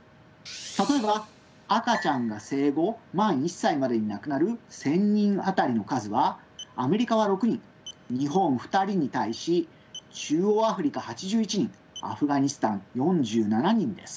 例えば赤ちゃんが生後満１歳までに亡くなる１，０００人当たりの数はアメリカは６人日本２人に対し中央アフリカ８１人アフガニスタン４７人です。